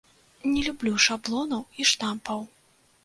Не люблю шаблонаў і штампаў.